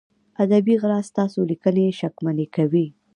ادبي غلا ستاسو لیکنې شکمنې کوي.